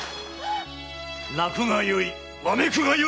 泣くがよいわめくがよい。